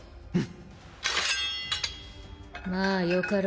うん。